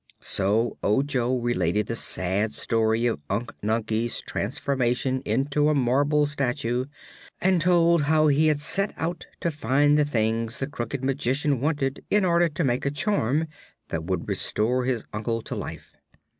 So Ojo related the sad story of Unc Nunkie's transformation into a marble statue, and told how he had set out to find the things the Crooked Magician wanted, in order to make a charm that would restore his uncle to life.